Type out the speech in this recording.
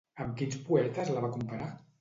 Amb quins poetes la va comparar?